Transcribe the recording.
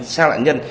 xác lãnh nhân